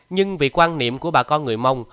nhưng vì quan niệm của bà con người mông